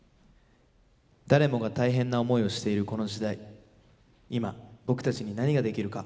誰もが大変な思いをしているこの時代今僕たちに何ができるか。